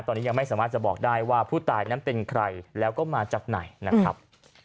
ตอนนี้ยังไม่สามารถจะบอกได้ว่าผู้ตายนั้นเป็นใครแล้วก็มาจากไหนนะครับ